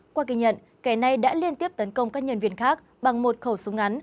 qua kỳ nhận kẻ này đã liên tiếp tấn công các nhân viên khác bằng một khẩu súng ngắn